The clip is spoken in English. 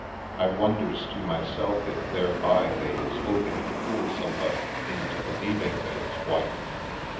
I wonders to myself if thereby they is hoping to fool somebody into believing they is white?